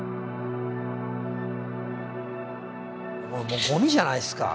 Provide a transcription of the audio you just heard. もうゴミじゃないですか。